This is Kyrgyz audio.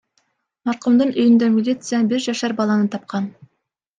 Маркумдун үйүндө милиция бир жашар баланы тапкан.